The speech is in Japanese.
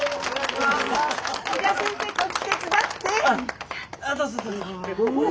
じゃあ先生こっち手伝って。